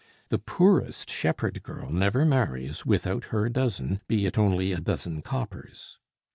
The poorest shepherd girl never marries without her dozen, be it only a dozen coppers.